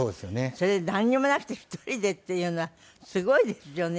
それでなんにもなくて１人でっていうのはすごいですよね